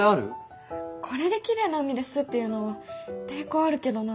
これできれいな海ですって言うのは抵抗あるけどな。